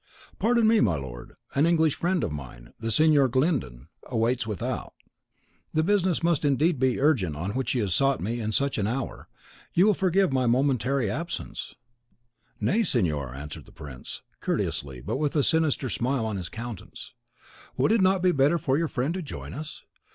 "Pardon me, my lord; an English friend of mine, the Signor Glyndon (not unknown by name to your Excellency) waits without, the business must indeed be urgent on which he has sought me in such an hour. You will forgive my momentary absence." "Nay, signor," answered the prince, courteously, but with a sinister smile on his countenance, "would it not be better for your friend to join us?